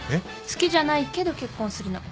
好きじゃないけど結婚するの。